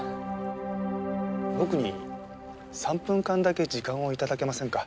僕に３分間だけ時間を頂けませんか？